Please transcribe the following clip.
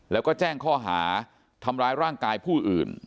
แล้วก็แจ้งข้อหาทำร้ายร่างกายผู้อื่น